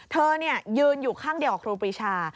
เธอยืนอยู่ข้างเดียวกับครูปรีชา